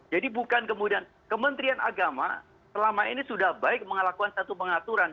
jadi bukan kemudian kementerian agama selama ini sudah baik mengalakukan satu pengaturan